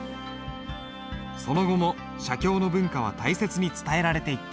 その後も写経の文化は大切に伝えられていった。